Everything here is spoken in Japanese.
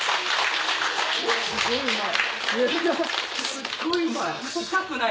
すっごいうまい。